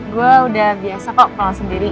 gue udah biasa kok kalau sendiri